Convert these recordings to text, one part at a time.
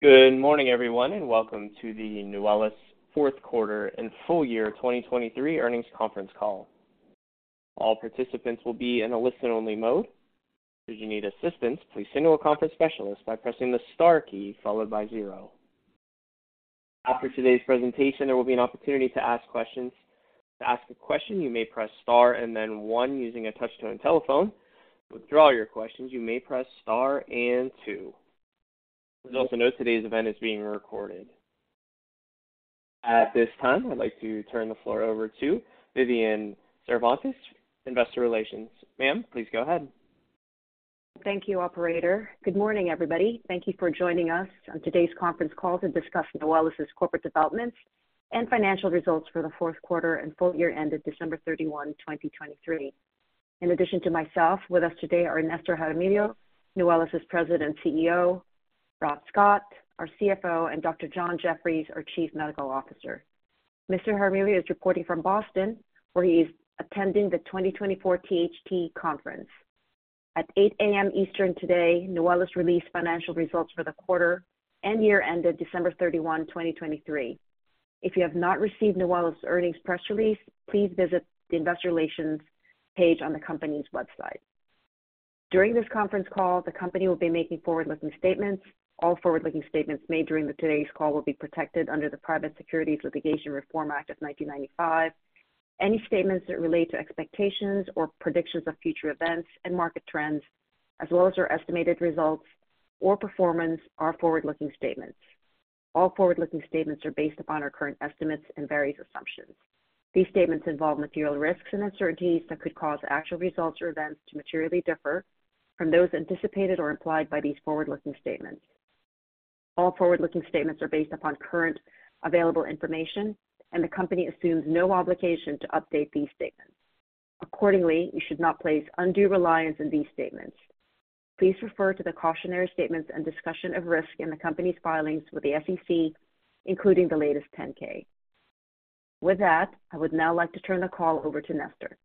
Good morning, everyone, and welcome to the Nuwellis fourth quarter and full year 2023 earnings conference call. All participants will be in a listen-only mode. Should you need assistance, please contact a conference specialist by pressing the star key followed by zero. After today's presentation, there will be an opportunity to ask questions. To ask a question, you may press star and then one using a touch-tone telephone. To withdraw your questions, you may press star and two. Please also note today's event is being recorded. At this time, I'd like to turn the floor over to Vivian Cervantes, Investor Relations. Ma'am, please go ahead. Thank you, operator. Good morning, everybody. Thank you for joining us on today's conference call to discuss Nuwellis's corporate developments and financial results for the fourth quarter and full year ended December 31, 2023. In addition to myself, with us today are Nestor Jaramillo, Nuwellis's President and CEO, Rob Scott, our CFO, and Dr. John Jefferies, our Chief Medical Officer. Mr. Jaramillo is reporting from Boston, where he is attending the 2024 THT conference. At 8:00 A.M. Eastern today, Nuwellis released financial results for the quarter and year ended December 31, 2023. If you have not received Nuwellis's earnings press release, please visit the Investor Relations page on the company's website. During this conference call, the company will be making forward-looking statements. All forward-looking statements made during today's call will be protected under the Private Securities Litigation Reform Act of 1995. Any statements that relate to expectations or predictions of future events and market trends, as well as our estimated results or performance, are forward-looking statements. All forward-looking statements are based upon our current estimates and various assumptions. These statements involve material risks and uncertainties that could cause actual results or events to materially differ from those anticipated or implied by these forward-looking statements. All forward-looking statements are based upon current available information, and the company assumes no obligation to update these statements. Accordingly, you should not place undue reliance in these statements. Please refer to the cautionary statements and discussion of risk in the company's filings with the SEC, including the latest 10-K. With that, I would now like to turn the call over to Nestor.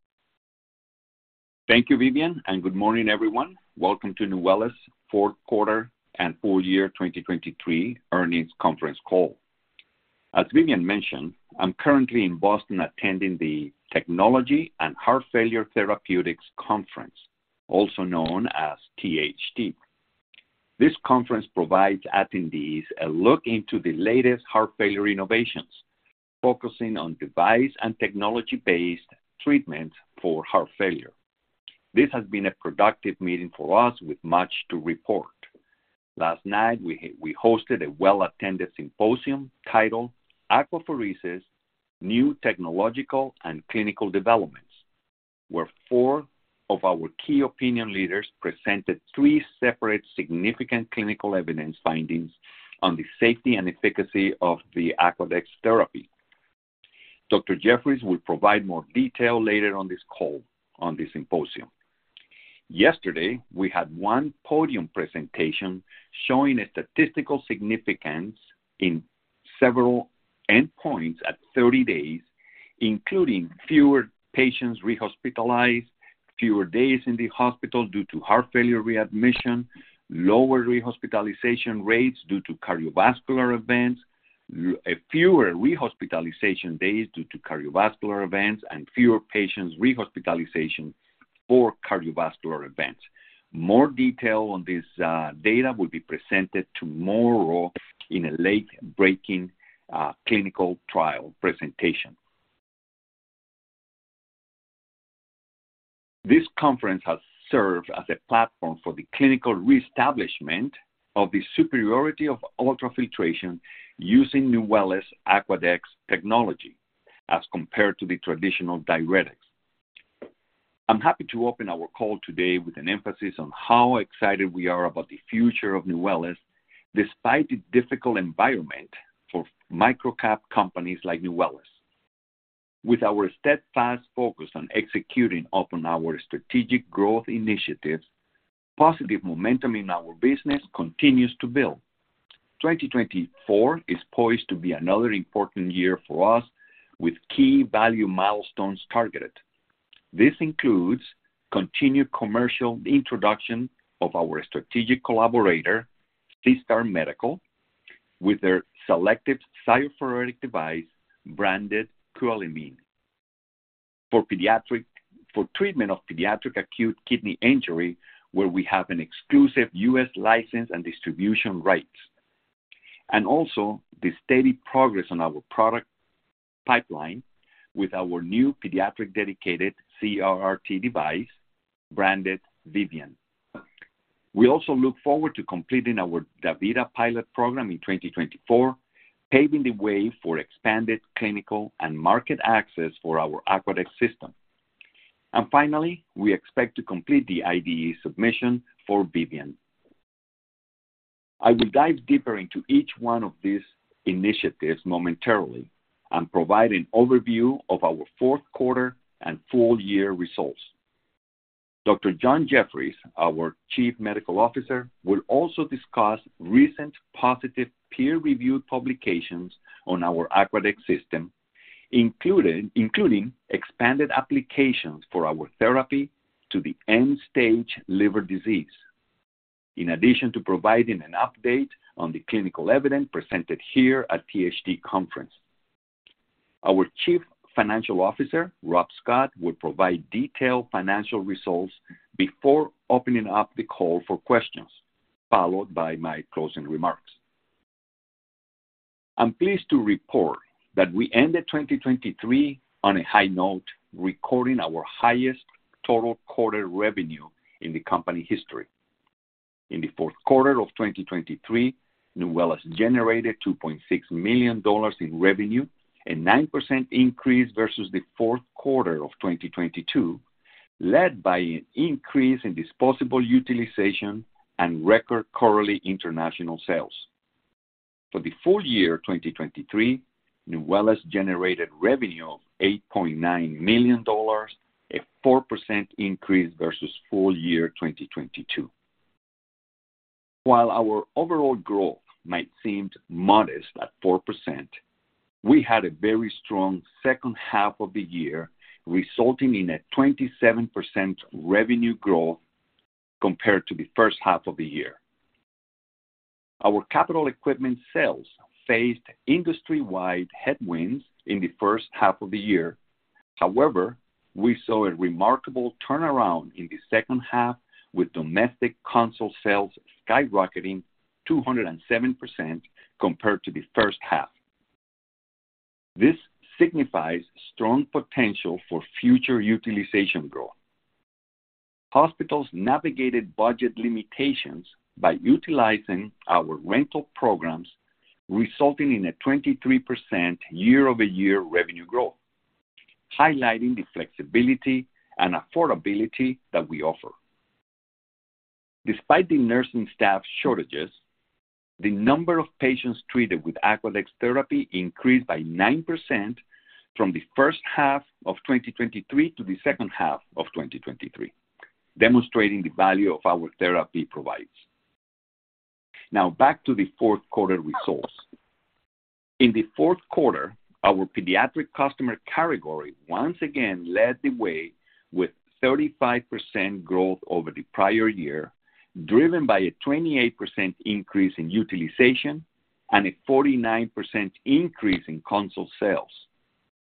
Thank you, Vivian, and good morning, everyone. Welcome to Nuwellis fourth quarter and full year 2023 earnings conference call. As Vivian mentioned, I'm currently in Boston attending the Technology and Heart Failure Therapeutics Conference, also known as THT. This conference provides attendees a look into the latest heart failure innovations, focusing on device and technology-based treatments for heart failure. This has been a productive meeting for us with much to report. Last night, we hosted a well-attended symposium titled Aquapheresis: New Technological and Clinical Developments, where four of our key opinion leaders presented three separate significant clinical evidence findings on the safety and efficacy of the Aquadex therapy. Dr. Jefferies will provide more detail later on this call, on this symposium. Yesterday, we had one podium presentation showing a statistical significance in several endpoints at 30 days, including fewer patients rehospitalized, fewer days in the hospital due to heart failure readmission, lower rehospitalization rates due to cardiovascular events, fewer rehospitalization days due to cardiovascular events, and fewer patients' rehospitalization for cardiovascular events. More detail on this data will be presented tomorrow in a late-breaking clinical trial presentation. This conference has served as a platform for the clinical reestablishment of the superiority of ultrafiltration using Nuwellis Aquadex technology as compared to the traditional diuretics. I'm happy to open our call today with an emphasis on how excited we are about the future of Nuwellis despite the difficult environment for microcap companies like Nuwellis. With our steadfast focus on executing upon our strategic growth initiatives, positive momentum in our business continues to build. 2024 is poised to be another important year for us with key value milestones targeted. This includes continued commercial introduction of our strategic collaborator, SeaStar Medical, with their selective cytopheretic device branded QUELimmune for treatment of pediatric acute kidney injury, where we have an exclusive U.S. license and distribution rights, and also the steady progress on our product pipeline with our new pediatric dedicated CRRT device branded Vivian. We also look forward to completing our DaVita pilot program in 2024, paving the way for expanded clinical and market access for our Aquadex system. And finally, we expect to complete the IDE submission for Vivian. I will dive deeper into each one of these initiatives momentarily and provide an overview of our fourth quarter and full year results. Dr. John Jefferies, our Chief Medical Officer, will also discuss recent positive peer-reviewed publications on our Aquadex system, including expanded applications for our therapy to the End-stage Liver Disease, in addition to providing an update on the clinical evidence presented here at THT conference. Our Chief Financial Officer, Rob Scott, will provide detailed financial results before opening up the call for questions, followed by my closing remarks. I'm pleased to report that we ended 2023 on a high note, recording our highest total quarter revenue in the company history. In the fourth quarter of 2023, Nuwellis generated $2.6 million in revenue, a 9% increase versus the fourth quarter of 2022, led by an increase in disposable utilization and record correlated international sales. For the full year 2023, Nuwellis generated revenue of $8.9 million, a 4% increase versus full year 2022. While our overall growth might seem modest at 4%, we had a very strong second half of the year resulting in a 27% revenue growth compared to the first half of the year. Our capital equipment sales faced industry-wide headwinds in the first half of the year. However, we saw a remarkable turnaround in the second half, with domestic console sales skyrocketing 207% compared to the first half. This signifies strong potential for future utilization growth. Hospitals navigated budget limitations by utilizing our rental programs, resulting in a 23% year-over-year revenue growth, highlighting the flexibility and affordability that we offer. Despite the nursing staff shortages, the number of patients treated with Aquadex therapy increased by 9% from the first half of 2023 to the second half of 2023, demonstrating the value of our therapy provides. Now, back to the fourth quarter results. In the fourth quarter, our pediatric customer category once again led the way with 35% growth over the prior year, driven by a 28% increase in utilization and a 49% increase in console sales,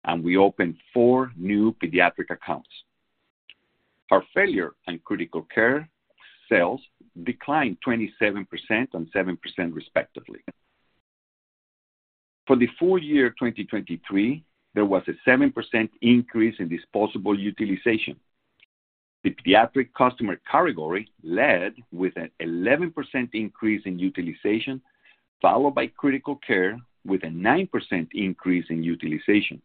and we opened four new pediatric accounts. Heart failure and critical care sales declined 27% and 7% respectively. For the full year 2023, there was a 7% increase in disposable utilization. The pediatric customer category led with an 11% increase in utilization, followed by critical care with a 9% increase in utilization.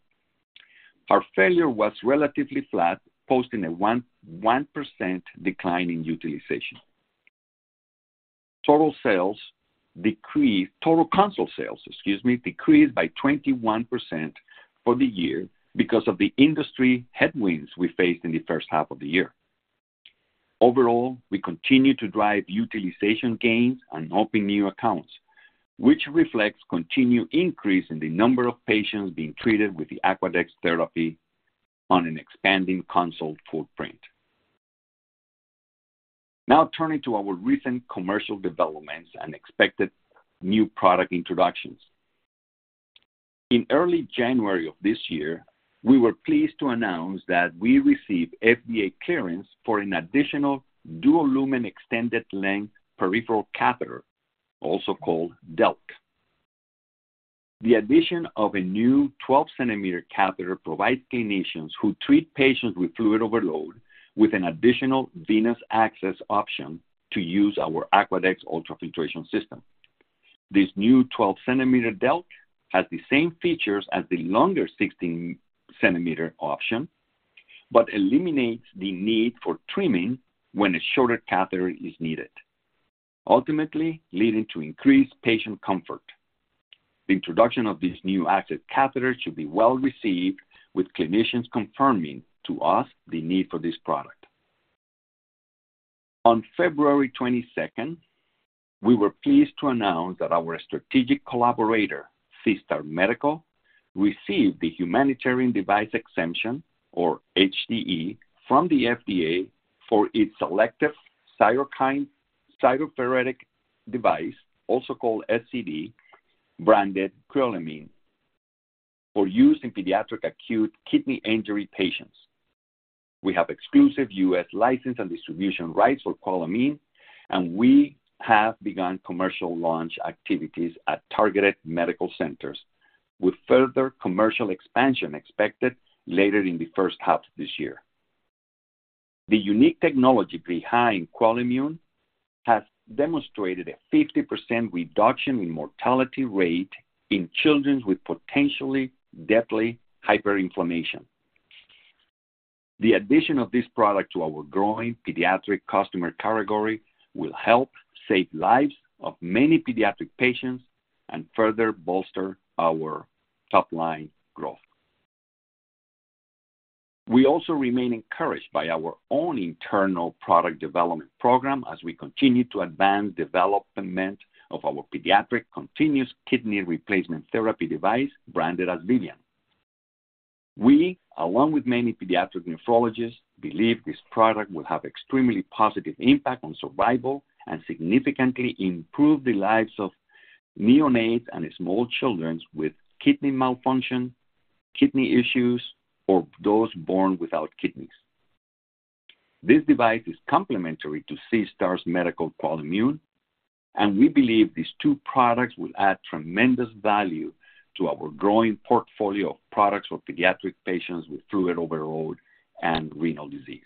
Heart failure was relatively flat, posting a 1% decline in utilization. Total sales decreased total console sales, excuse me, decreased by 21% for the year because of the industry headwinds we faced in the first half of the year. Overall, we continue to drive utilization gains and open new accounts, which reflects continued increase in the number of patients being treated with the Aquadex therapy on an expanding console footprint. Now, turning to our recent commercial developments and expected new product introductions. In early January of this year, we were pleased to announce that we received FDA clearance for an additional dual-lumen extended-length peripheral catheter, also called DELC. The addition of a new 12-cm catheter provides clinicians who treat patients with fluid overload with an additional venous access option to use our Aquadex ultrafiltration system. This new 12-cm DELC has the same features as the longer 16-cm option but eliminates the need for trimming when a shorter catheter is needed, ultimately leading to increased patient comfort. The introduction of this new access catheter should be well received, with clinicians confirming to us the need for this product. On February 22nd, we were pleased to announce that our strategic collaborator, SeaStar Medical, received the humanitarian device exemption, or HDE, from the FDA for its selective cytopheretic device, also called SCD, branded QUELimmune, for use in pediatric acute kidney injury patients. We have exclusive U.S. license and distribution rights for QUELimmune, and we have begun commercial launch activities at targeted medical centers, with further commercial expansion expected later in the first half of this year. The unique technology behind QUELimmune has demonstrated a 50% reduction in mortality rate in children with potentially deadly hyperinflammation. The addition of this product to our growing pediatric customer category will help save lives of many pediatric patients and further bolster our top-line growth. We also remain encouraged by our own internal product development program as we continue to advance development of our pediatric continuous kidney replacement therapy device, branded as Vivian. We, along with many pediatric nephrologists, believe this product will have extremely positive impact on survival and significantly improve the lives of neonates and small children with kidney malfunction, kidney issues, or those born without kidneys. This device is complementary to SeaStar Medical's QUELimmune, and we believe these two products will add tremendous value to our growing portfolio of products for pediatric patients with fluid overload and renal disease.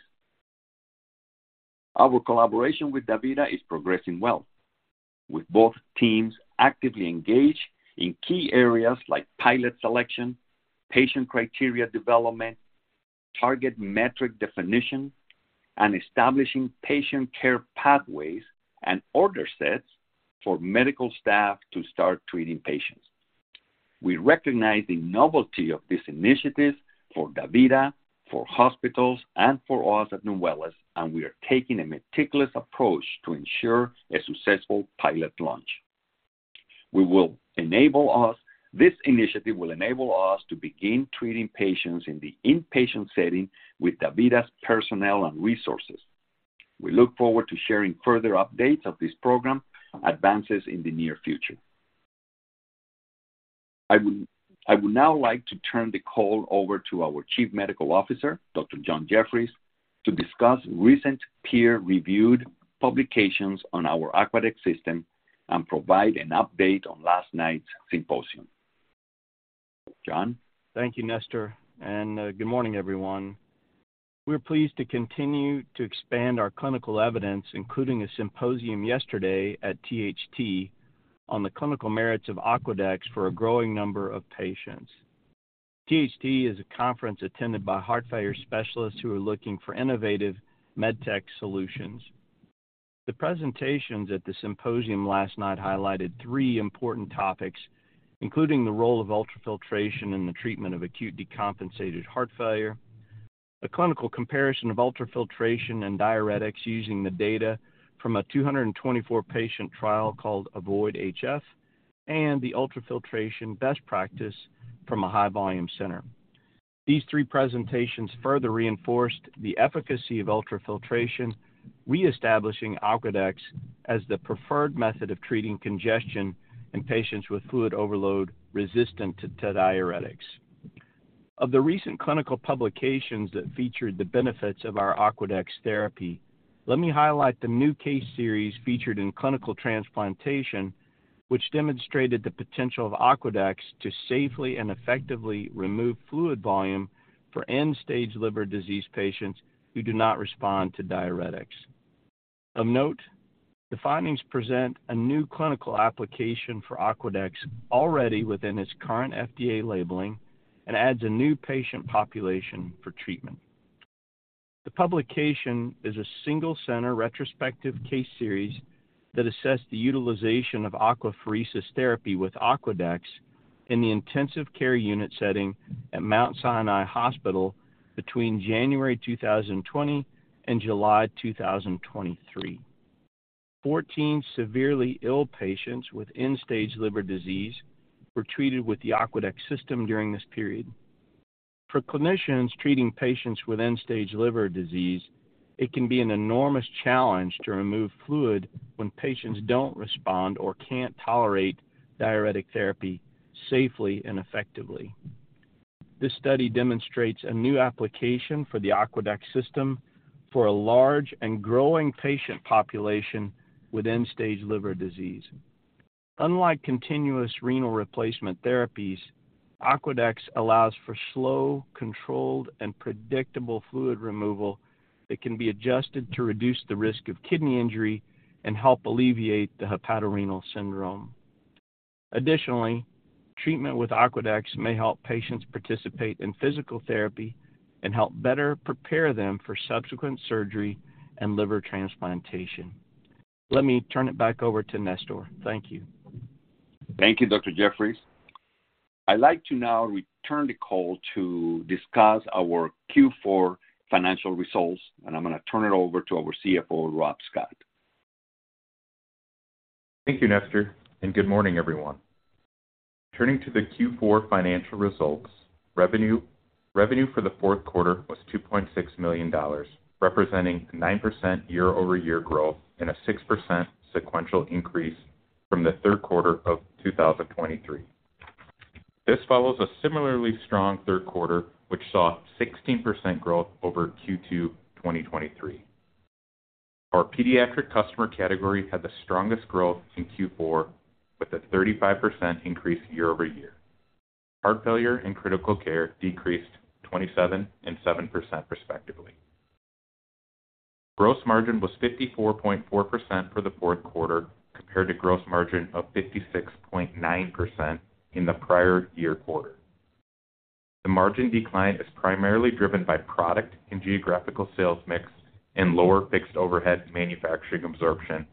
Our collaboration with DaVita is progressing well, with both teams actively engaged in key areas like pilot selection, patient criteria development, target metric definition, and establishing patient care pathways and order sets for medical staff to start treating patients. We recognize the novelty of this initiative for DaVita, for hospitals, and for us at Nuwellis, and we are taking a meticulous approach to ensure a successful pilot launch. This initiative will enable us to begin treating patients in the inpatient setting with DaVita's personnel and resources. We look forward to sharing further updates of this program advances in the near future. I would now like to turn the call over to our Chief Medical Officer, Dr. John Jefferies, to discuss recent peer-reviewed publications on our Aquadex system and provide an update on last night's symposium. John? Thank you, Nestor, and good morning, everyone. We're pleased to continue to expand our clinical evidence, including a symposium yesterday at THT on the clinical merits of Aquadex for a growing number of patients. THT is a conference attended by heart failure specialists who are looking for innovative medtech solutions. The presentations at the symposium last night highlighted three important topics, including the role of ultrafiltration in the treatment of Acute Decompensated Heart Failure, a clinical comparison of ultrafiltration and diuretics using the data from a 224-patient trial called AVOID-HF, and the ultrafiltration best practice from a high-volume center. These three presentations further reinforced the efficacy of ultrafiltration, reestablishing Aquadex as the preferred method of treating congestion in patients with fluid overload resistant to diuretics. Of the recent clinical publications that featured the benefits of our Aquadex therapy, let me highlight the new case series featured in Clinical Transplantation, which demonstrated the potential of Aquadex to safely and effectively remove fluid volume for End-stage Liver Disease patients who do not respond to diuretics. Of note, the findings present a new clinical application for Aquadex already within its current FDA labeling and adds a new patient population for treatment. The publication is a single-center retrospective case series that assessed the utilization of Aquapheresis therapy with Aquadex in the intensive care unit setting at Mount Sinai Hospital between January 2020 and July 2023. 14 severely ill patients with End-stage Liver Disease were treated with the Aquadex system during this period. For clinicians treating patients with End-stage Liver Disease, it can be an enormous challenge to remove fluid when patients don't respond or can't tolerate diuretic therapy safely and effectively. This study demonstrates a new application for the Aquadex system for a large and growing patient population with End-stage Liver Disease. Unlike Continuous Renal Replacement Therapies, Aquadex allows for slow, controlled, and predictable fluid removal that can be adjusted to reduce the risk of kidney injury and help alleviate the hepatorenal syndrome. Additionally, treatment with Aquadex may help patients participate in physical therapy and help better prepare them for subsequent surgery and liver transplantation. Let me turn it back over to Nestor. Thank you. Thank you, Dr. Jefferies. I'd like to now return the call to discuss our Q4 financial results, and I'm going to turn it over to our CFO, Rob Scott. Thank you, Nestor, and good morning, everyone. Turning to the Q4 financial results, revenue for the fourth quarter was $2.6 million, representing a 9% year-over-year growth and a 6% sequential increase from the third quarter of 2023. This follows a similarly strong third quarter, which saw 16% growth over Q2 2023. Our pediatric customer category had the strongest growth in Q4, with a 35% increase year-over-year. Heart failure and critical care decreased 27% and 7% respectively. Gross margin was 54.4% for the fourth quarter compared to gross margin of 56.9% in the prior year quarter. The margin decline is primarily driven by product and geographical sales mix and lower fixed overhead manufacturing absorption,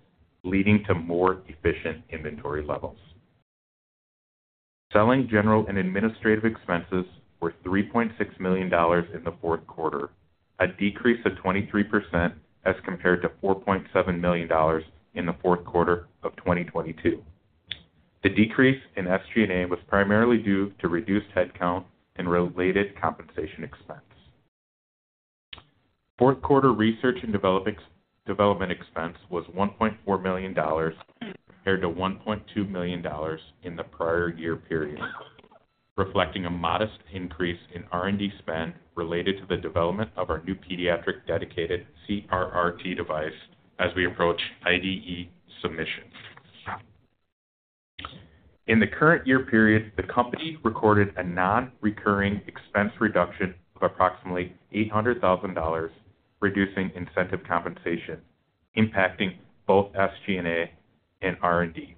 leading to more efficient inventory levels. Selling general and administrative expenses were $3.6 million in the fourth quarter, a decrease of 23% as compared to $4.7 million in the fourth quarter of 2022. The decrease in SG&A was primarily due to reduced headcount and related compensation expense. Fourth quarter research and development expense was $1.4 million compared to $1.2 million in the prior year period, reflecting a modest increase in R&D spend related to the development of our new pediatric dedicated CRRT device as we approach IDE submission. In the current year period, the company recorded a non-recurring expense reduction of approximately $800,000, reducing incentive compensation, impacting both SG&A and R&D.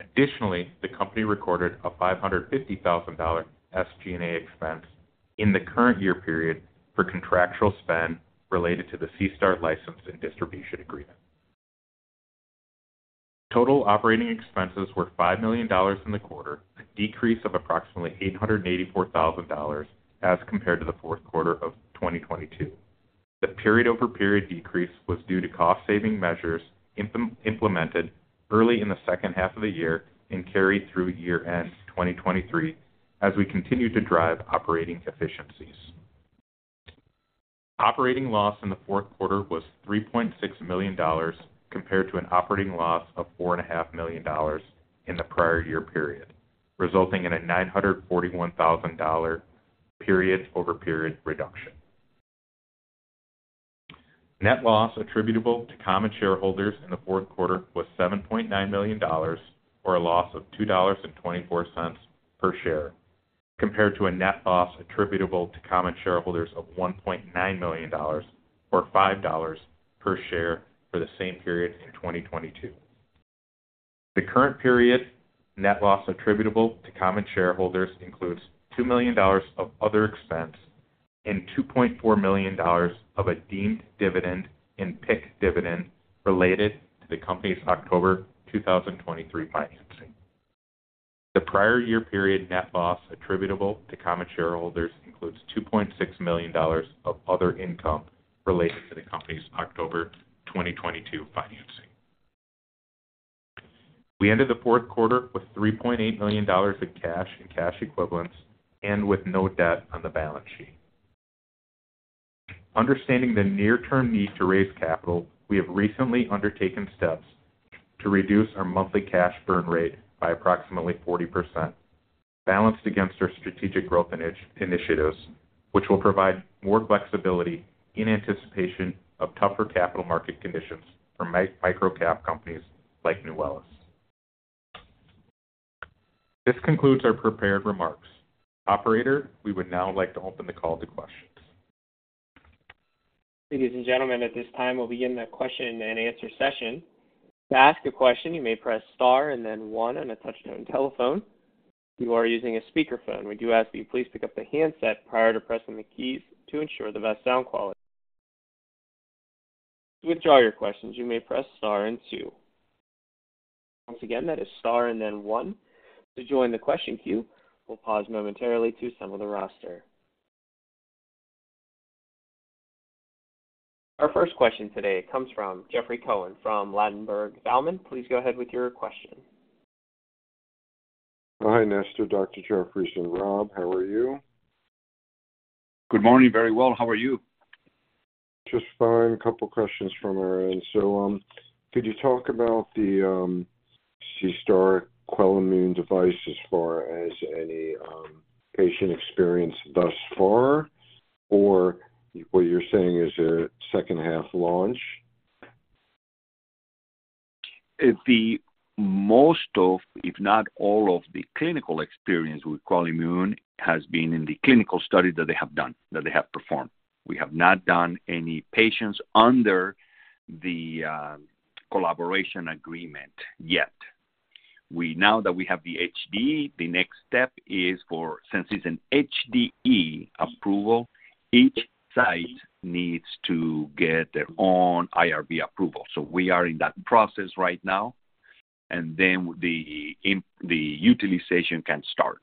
Additionally, the company recorded a $550,000 SG&A expense in the current year period for contractual spend related to the SeaStar license and distribution agreement. Total operating expenses were $5 million in the quarter, a decrease of approximately $884,000 as compared to the fourth quarter of 2022. The period-over-period decrease was due to cost-saving measures implemented early in the second half of the year and carried through year-end 2023 as we continue to drive operating efficiencies. Operating loss in the fourth quarter was $3.6 million compared to an operating loss of $4.5 million in the prior year period, resulting in a $941,000 period-over-period reduction. Net loss attributable to common shareholders in the fourth quarter was $7.9 million, or a loss of $2.24 per share, compared to a net loss attributable to common shareholders of $1.9 million, or $5 per share, for the same period in 2022. The current period net loss attributable to common shareholders includes $2 million of other expense and $2.4 million of a deemed dividend and PIK dividend related to the company's October 2023 financing. The prior year period net loss attributable to common shareholders includes $2.6 million of other income related to the company's October 2022 financing. We ended the fourth quarter with $3.8 million in cash and cash equivalents and with no debt on the balance sheet. Understanding the near-term need to raise capital, we have recently undertaken steps to reduce our monthly cash burn rate by approximately 40%, balanced against our strategic growth initiatives, which will provide more flexibility in anticipation of tougher capital market conditions for microcap companies like Nuwellis. This concludes our prepared remarks. Operator, we would now like to open the call to questions. Ladies and gentlemen, at this time, we'll begin the question and answer session. To ask a question, you may press star and then one on a touch-tone telephone. If you are using a speakerphone, we do ask that you please pick up the handset prior to pressing the keys to ensure the best sound quality. To withdraw your questions, you may press star and two. Once again, that is star and then one. To join the question queue, we'll pause momentarily to assemble the roster. Our first question today comes from Jeffrey Cohen from Ladenburg Thalmann. Please go ahead with your question. Hi, Nestor, Dr. Jefferies, and Rob. How are you? Good morning. Very well. How are you? Just fine. A couple of questions from our end. So could you talk about the SeaStar QUELimmune device as far as any patient experience thus far, or what you're saying is a second-half launch? Most of, if not all, of the clinical experience with QUELimmune has been in the clinical study that they have done, that they have performed. We have not done any patients under the collaboration agreement yet. Now that we have the HDE, the next step is, since it's an HDE approval, each site needs to get their own IRB approval. So we are in that process right now, and then the utilization can start.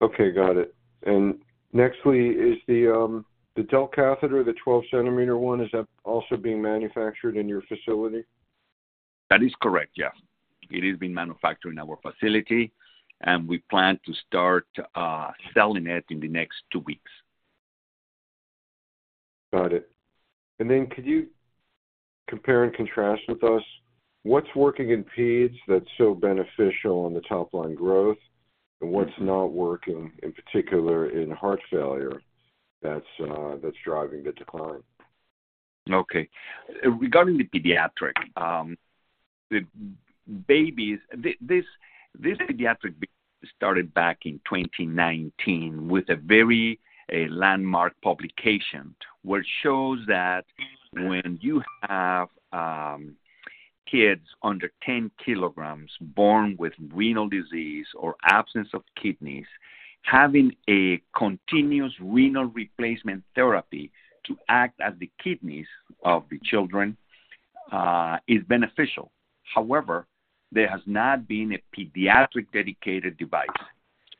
Okay. Got it. And next, the DELC catheter, the 12-cm one, is that also being manufactured in your facility? That is correct. Yes. It is being manufactured in our facility, and we plan to start selling it in the next two weeks. Got it. Then could you compare and contrast with us what's working in peds that's so beneficial on the top-line growth, and what's not working, in particular, in heart failure that's driving the decline? Okay. Regarding the pediatric, this pediatric started back in 2019 with a very landmark publication which shows that when you have kids under 10 kg born with renal disease or absence of kidneys, having a Continuous Renal Replacement Therapy to act as the kidneys of the children is beneficial. However, there has not been a pediatric dedicated device.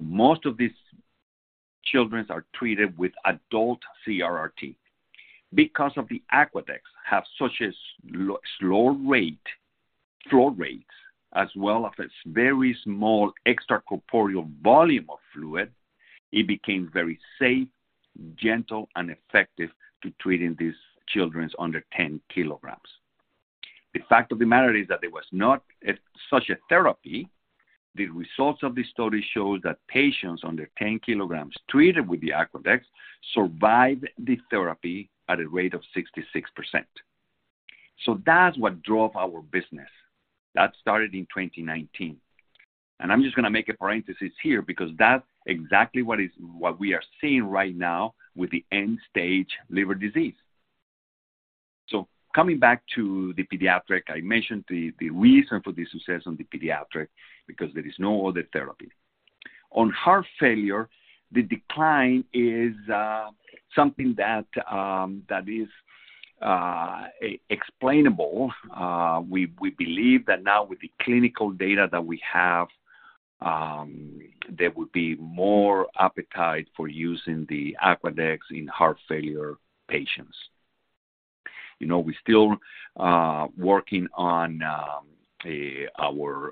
Most of these children are treated with adult CRRT. Because the Aquadex has such slow flow rates as well as a very small extracorporeal volume of fluid, it became very safe, gentle, and effective to treating these children under 10 kg. The fact of the matter is that there was not such a therapy. The results of the study showed that patients under 10 kg treated with the Aquadex survived the therapy at a rate of 66%. So that's what drove our business. That started in 2019. I'm just going to make a parenthesis here because that's exactly what we are seeing right now with the end-stage liver disease. Coming back to the pediatric, I mentioned the reason for the success on the pediatric. Because there is no other therapy. On heart failure, the decline is something that is explainable. We believe that now, with the clinical data that we have, there would be more appetite for using the Aquadex in heart failure patients. We're still working on our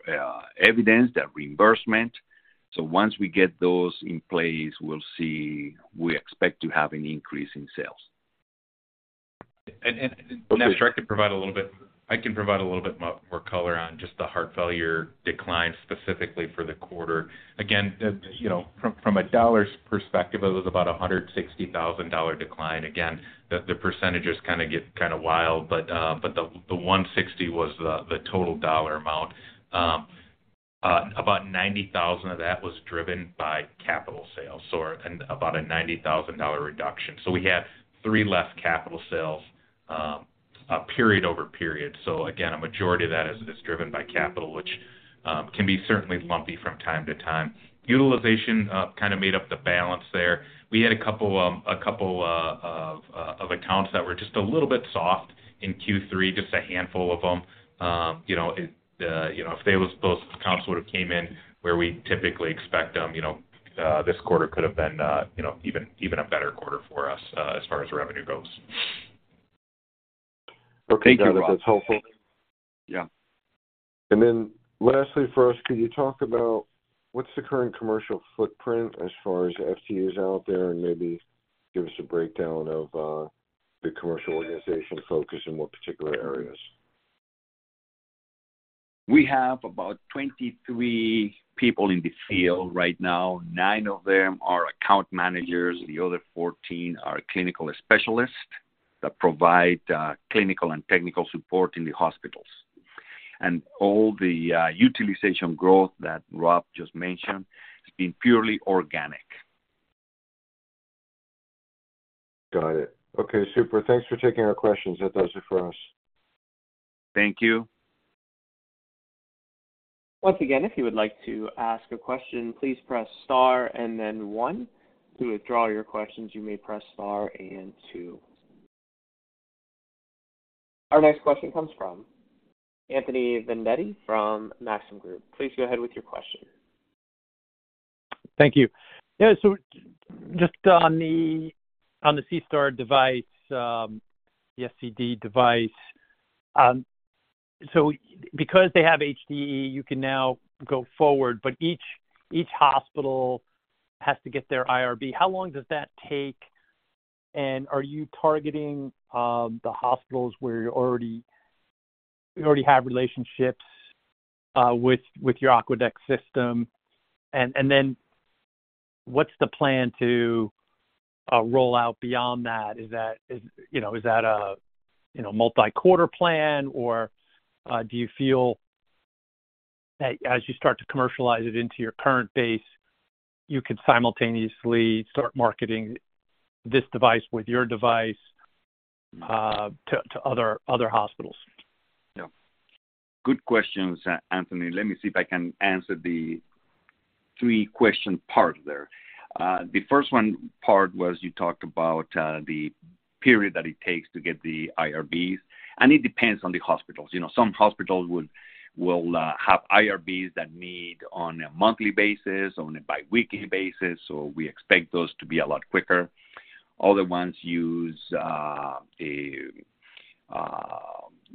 evidence that reimbursement. Once we get those in place, we expect to have an increase in sales. Nestor, I can provide a little bit more color on just the heart failure decline specifically for the quarter. Again, from a dollar's perspective, it was about a $160,000 decline. Again, the percentages kind of get kind of wild, but the $160,000 was the total dollar amount. About $90,000 of that was driven by capital sales, so about a $90,000 reduction. So we had three less capital sales period over period. So again, a majority of that is driven by capital, which can be certainly lumpy from time to time. Utilization kind of made up the balance there. We had a couple of accounts that were just a little bit soft in Q3, just a handful of them. If those accounts would have came in where we typically expect them, this quarter could have been even a better quarter for us as far as revenue goes. Okay. Got it. That's helpful. Yeah. And then lastly for us, could you talk about what's the current commercial footprint as far as FTUs out there, and maybe give us a breakdown of the commercial organization focus in what particular areas? We have about 23 people in the field right now. Nine of them are account managers. The other 14 are clinical specialists that provide clinical and technical support in the hospitals. And all the utilization growth that Rob just mentioned has been purely organic. Got it. Okay. Super. Thanks for taking our questions. That does it for us. Thank you. Once again, if you would like to ask a question, please press star and then one. To withdraw your questions, you may press star and two. Our next question comes from Anthony Vendetti from Maxim Group. Please go ahead with your question. Thank you. Yeah. So just on the SeaStar device, the SCD device, so because they have HDE, you can now go forward, but each hospital has to get their IRB. How long does that take, and are you targeting the hospitals where you already have relationships with your Aquadex system? And then what's the plan to roll out beyond that? Is that a multi-quarter plan, or do you feel that as you start to commercialize it into your current base, you could simultaneously start marketing this device with your device to other hospitals? Yeah. Good questions, Anthony. Let me see if I can answer the three-question part there. The first part was you talked about the period that it takes to get the IRBs, and it depends on the hospitals. Some hospitals will have IRBs that meet on a monthly basis, on a biweekly basis, so we expect those to be a lot quicker. Other ones use general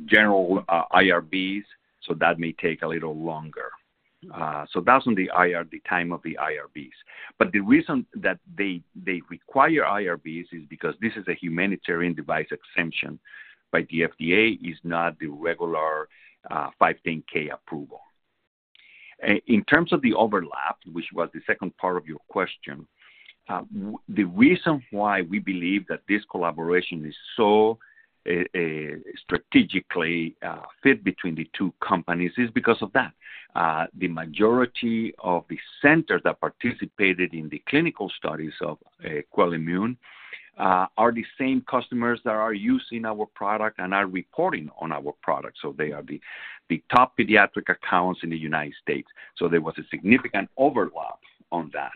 IRBs, so that may take a little longer. So that's on the time of the IRBs. But the reason that they require IRBs is because this is a Humanitarian Device Exemption by the FDA, is not the regular 510(k) approval. In terms of the overlap, which was the second part of your question, the reason why we believe that this collaboration is so strategically fit between the two companies is because of that. The majority of the centers that participated in the clinical studies of QUELimmune are the same customers that are using our product and are reporting on our product. So they are the top pediatric accounts in the United States. So there was a significant overlap on that.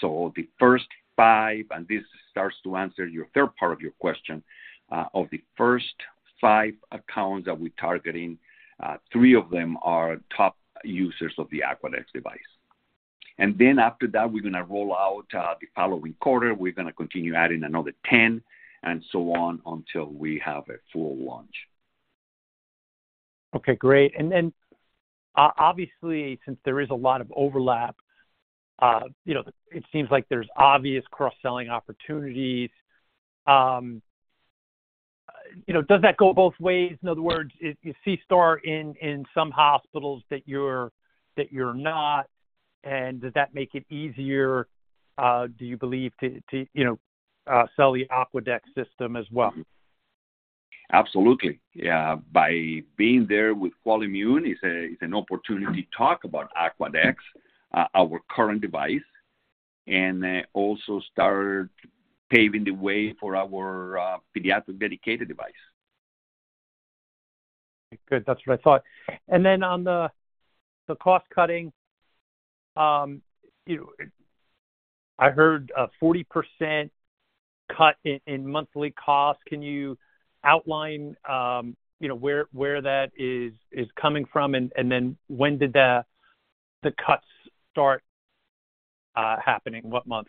So the first 5, and this starts to answer your third part of your question, of the first 5 accounts that we're targeting, 3 of them are top users of the Aquadex device. And then after that, we're going to roll out the following quarter. We're going to continue adding another 10, and so on until we have a full launch. Okay. Great. And then obviously, since there is a lot of overlap, it seems like there's obvious cross-selling opportunities. Does that go both ways? In other words, is SeaStar in some hospitals that you're not, and does that make it easier, do you believe, to sell the Aquadex system as well? Absolutely. By being there with QUELimmune, it's an opportunity to talk about Aquadex, our current device, and also start paving the way for our pediatric dedicated device. Good. That's what I thought. And then on the cost-cutting, I heard a 40% cut in monthly costs. Can you outline where that is coming from, and then when did the cuts start happening, what month?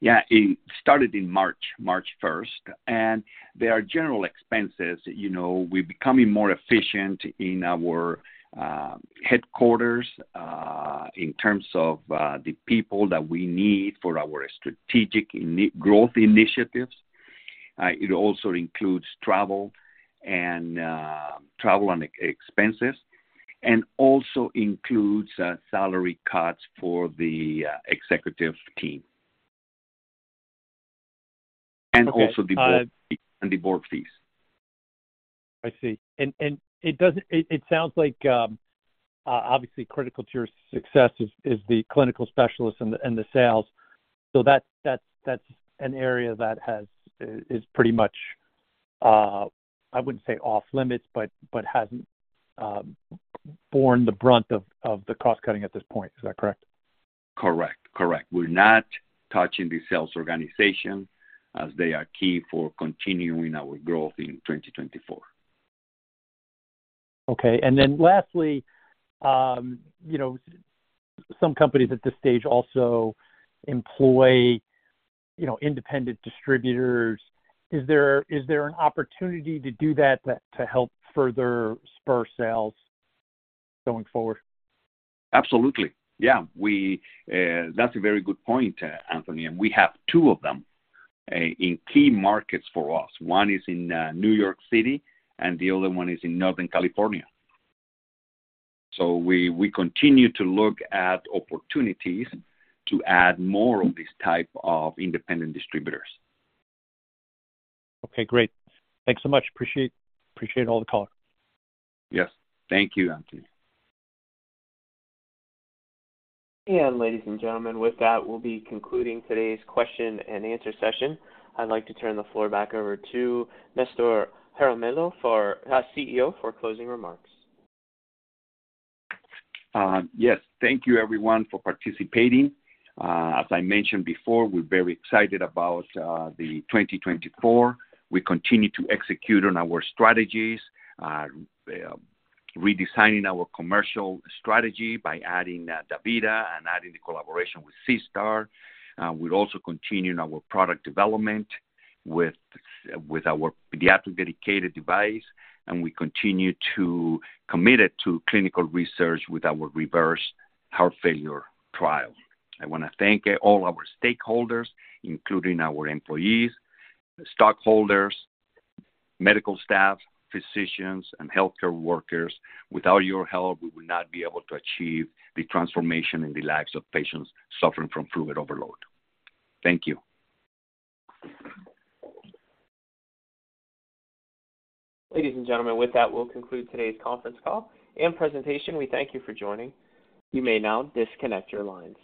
Yeah. It started in March, March 1st. And there are general expenses. We're becoming more efficient in our headquarters in terms of the people that we need for our strategic growth initiatives. It also includes travel and expenses and also includes salary cuts for the executive team and also the board fees. I see. It sounds like, obviously, critical to your success is the clinical specialists and the sales. So that's an area that is pretty much, I wouldn't say off-limits, but hasn't borne the brunt of the cost-cutting at this point. Is that correct? Correct. Correct. We're not touching the sales organization as they are key for continuing our growth in 2024. Okay. Then lastly, some companies at this stage also employ independent distributors. Is there an opportunity to do that to help further spur sales going forward? Absolutely. Yeah. That's a very good point, Anthony. And we have two of them in key markets for us. One is in New York City, and the other one is in Northern California. So we continue to look at opportunities to add more of this type of independent distributors. Okay. Great. Thanks so much. Appreciate all the call. Yes. Thank you, Anthony. Ladies and gentlemen, with that, we'll be concluding today's question-and-answer session. I'd like to turn the floor back over to Nestor Jaramillo as CEO for closing remarks. Yes. Thank you, everyone, for participating. As I mentioned before, we're very excited about the 2024. We continue to execute on our strategies, redesigning our commercial strategy by adding DaVita and adding the collaboration with SeaStar. We're also continuing our product development with our pediatric dedicated device, and we continue to commit it to clinical research with our REVERSE-HF trial. I want to thank all our stakeholders, including our employees, stockholders, medical staff, physicians, and healthcare workers. Without your help, we would not be able to achieve the transformation in the lives of patients suffering from fluid overload. Thank you. Ladies and gentlemen, with that, we'll conclude today's conference call and presentation. We thank you for joining. You may now disconnect your lines.